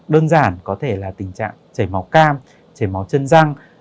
đơn giản có thể là tình trạng chảy máu cam chảy máu chân răng